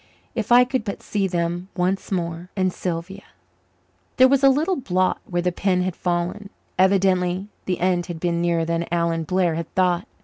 If I could but see them once more! And Sylvia There was a little blot where the pen had fallen. Evidently the end had been nearer than Alan Blair had thought.